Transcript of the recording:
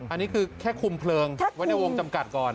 อันนี้คือแค่คุมเพลิงไว้ในวงจำกัดก่อน